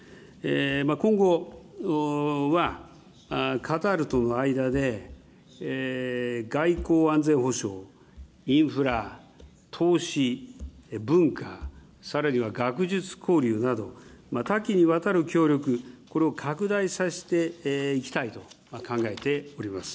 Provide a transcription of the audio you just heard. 今後はカタールとの間で外交・安全保障、インフラ、投資、文化、さらには学術交流など、多岐にわたる協力、これを拡大させていきたいと考えております。